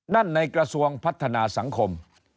ในกระทรวงพัฒนาสังคม